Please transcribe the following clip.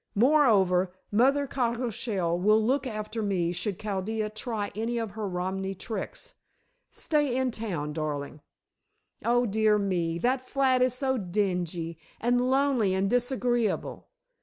"Moreover, Mother Cockleshell will look after me should Chaldea try any of her Romany tricks. Stay in town, darling." "Oh, dear me, that flat is so dingy, and lonely, and disagreeable."